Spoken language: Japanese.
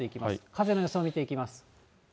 風の予想を見ていきます。